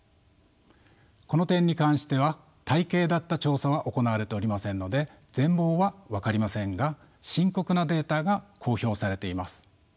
この点に関しては体系立った調査は行われておりませんので全貌は分かりませんが深刻なデータが公表されています。